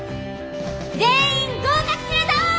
全員合格するぞ！